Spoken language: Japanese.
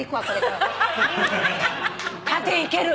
縦いける。